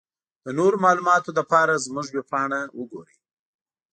د نورو معلوماتو لپاره زمونږ ويبپاڼه وګورٸ.